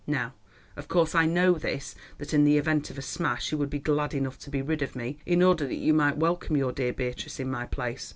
Now, of course, I know this, that in the event of a smash, you would be glad enough to be rid of me in order that you might welcome your dear Beatrice in my place.